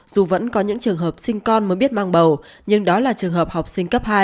dù vẫn có những trường hợp sinh con mới biết mang bầu nhưng đó là trường hợp học sinh cấp hai